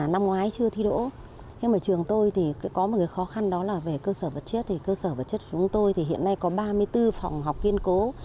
năm nay có ba mươi bốn phòng học viên cố